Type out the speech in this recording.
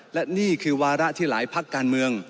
และนี่คือวาระที่หลายพักการเมือง